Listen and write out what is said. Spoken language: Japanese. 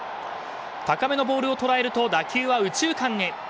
高めのボールを捉えると打球は右中間へ。